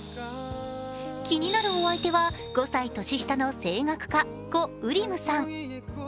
気になるお相手は、５歳年下の声楽家、コ・ウリムさん。